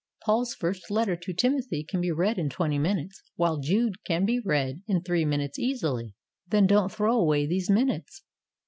Paul's first letter to Timothy can be read in twenty minutes, while Jude can be read REDEEMING THE TIME, 51 in three minutes easily. Then don't throw away these minutes.